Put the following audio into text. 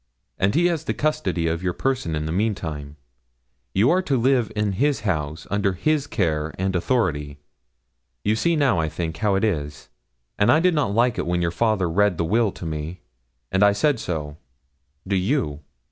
and he has the custody of your person in the meantime; you are to live in his house, under his care and authority. You see now, I think, how it is; and I did not like it when your father read the will to me, and I said so. Do you?'